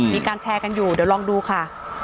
มีการแชร์กันอยู่เดี๋ยวลองดูค่ะ